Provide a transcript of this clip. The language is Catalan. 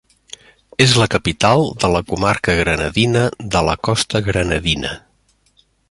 És la capital de la comarca granadina de la Costa Granadina.